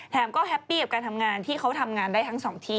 ก็แฮปปี้กับการทำงานที่เขาทำงานได้ทั้งสองที่